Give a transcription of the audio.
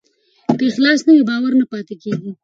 که اخلاص نه وي، باور نه پاتې کېږي.